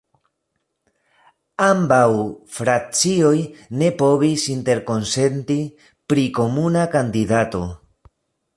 Ambaŭ frakcioj ne povis interkonsenti pri komuna kandidato.